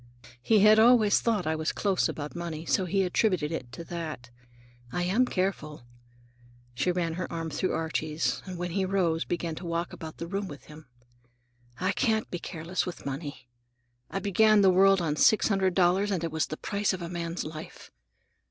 He had always thought I was close about money, so he attributed it to that. I am careful,"—she ran her arm through Archie's and when he rose began to walk about the room with him. "I can't be careless with money. I began the world on six hundred dollars, and it was the price of a man's life.